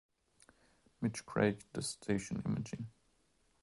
Mitch Craig does station imaging.